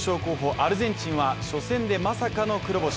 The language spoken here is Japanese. アルゼンチンは初戦でまさかの黒星。